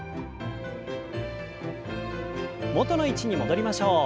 元の位置に戻りましょう。